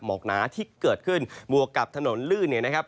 หมอกหนาที่เกิดขึ้นบวกกับถนนลื่นนะครับ